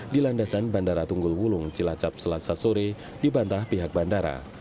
di landasan bandara tunggul wulung cilacap selasa sore dibantah pihak bandara